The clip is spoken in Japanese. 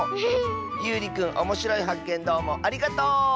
ゆうりくんおもしろいはっけんどうもありがとう！